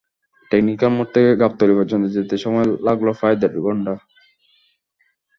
Technical মোড় থেকে গাবতলী পর্যন্ত যেতেই সময় লাগল প্রায় দেড় ঘণ্টা।